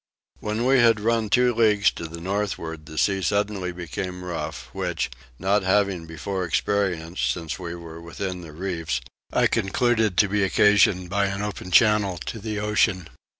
When we had run two leagues to the northward the sea suddenly became rough which, not having before experienced since we were within the reefs, I concluded to be occasioned by an open channel to the ocean.